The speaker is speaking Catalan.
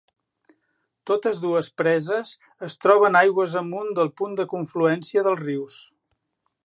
Totes dues preses es troben aigües amunt del punt de confluència dels rius.